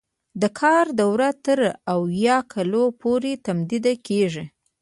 د کار دوره تر اویا کلونو پورې تمدید کیږي.